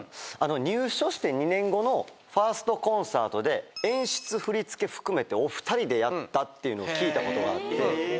入所して２年後のファーストコンサートで演出振り付け含めてお二人でやったっていうのを聞いたことがあって。